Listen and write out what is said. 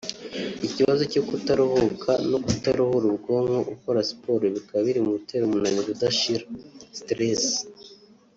Ikibazo cyo kutaruhuka no kutaruhura ubwonko ukora siporo bikaba biri mu bitera umunaniro udashira (Stress)